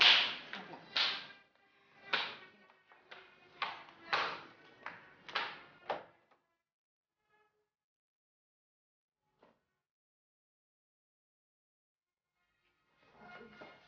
tante muzik juga sudah dulu ke k mucho pr church